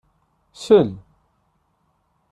Sel!